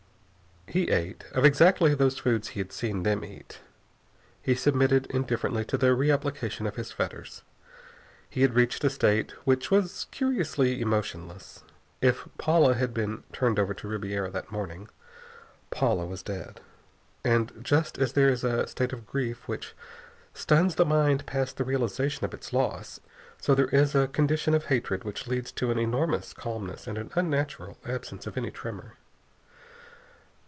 He ate, of exactly those foods he had seen them eat. He submitted indifferently to the re application of his fetters. He had reached a state which was curiously emotionless. If Paula had been turned over to Ribiera that morning, Paula was dead. And just as there is a state of grief which stuns the mind past the realization of its loss, so there is a condition of hatred which leads to an enormous calmness and an unnatural absence of any tremor.